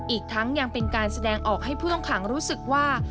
อีกทั้งยังเป็นการแสดงออกให้ผู้ต้องขังรู้สึกว่า